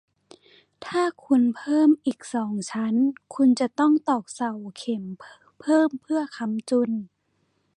ถ้าคุณเพิ่มอีกสองชั้น คุณจะต้องตอกเสาเข็มเพิ่มเพื่อค้ำจุน